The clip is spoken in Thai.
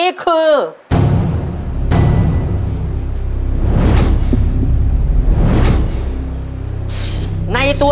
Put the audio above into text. ขอบคุณครับ